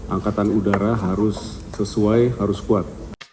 angkatan udara harus sesuai harus kuat